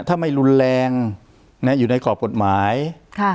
ถ้าไม่รุนแรงนะอยู่ในกรอบกฎหมายค่ะ